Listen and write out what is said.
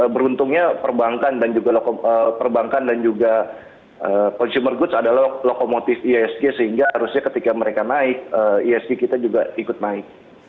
beruntungnya perbankan dan juga consumer goods adalah lokomotif ihsg sehingga harusnya ketika mereka naik ihsg kita juga ikut naik